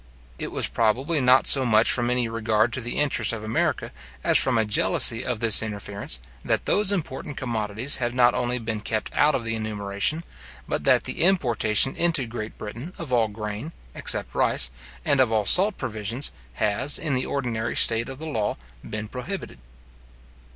It was probably not so much from any regard to the interest of America, as from a jealousy of this interference, that those important commodities have not only been kept out of the enumeration, but that the importation into Great Britain of all grain, except rice, and of all salt provisions, has, in the ordinary state of the law, been prohibited.